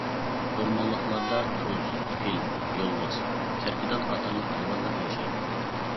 ئورمانلىقلاردا توز، پىل، يولۋاس، كەركىدان قاتارلىق ھايۋانلار ياشايدۇ.